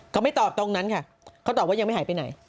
เขาไม่ตอบตรงนั้นค่ะเขาตอบว่ายังไม่หายไปไหน